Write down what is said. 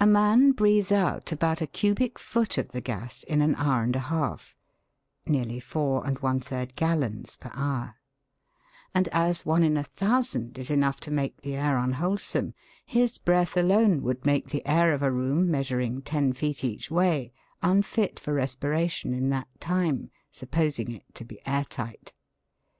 A man breathes out about a cubic foot f of the gas in an hour and a half, and as one in a thousand is enough to make the air unwholesome, his breath alone would make the air of a room, measuring ten feet each way, unfit for respiration in that time, supposing it to be air tight.